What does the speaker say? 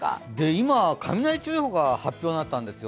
今、雷注意報が発表になったんですよ。